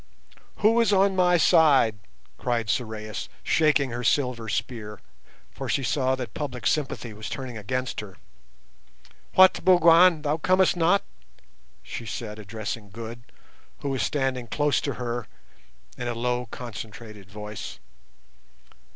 "Who is on my side?" cried Sorais, shaking her silver spear, for she saw that public sympathy was turning against her. "What, Bougwan, thou comest not?" she said, addressing Good, who was standing close to her, in a low, concentrated voice.